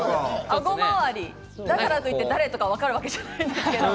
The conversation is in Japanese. だからといって、誰とか分かるわけじゃないんですけど。